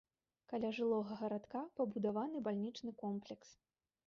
Каля жылога гарадка пабудаваны бальнічны комплекс.